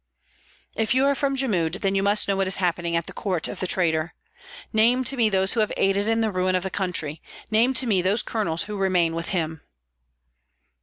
"If you are from Jmud, then you must know what is happening at the court of the traitor. Name to me those who have aided in the ruin of the country, name to me those colonels who remain with him."